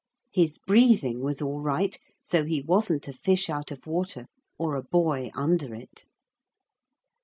His breathing was all right, so he wasn't a fish out of water or a boy under it.